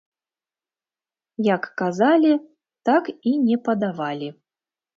Як казалі, так і не падавалі.